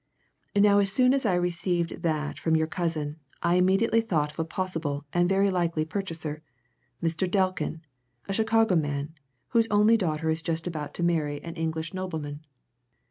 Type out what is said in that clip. Now, as soon as I received that from your cousin I immediately thought of a possible and very likely purchaser Mr. Delkin, a Chicago man, whose only daughter is just about to marry an English nobleman.